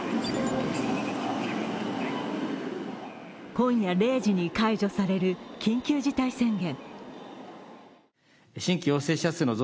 今夜０時に解除される緊急事態宣言。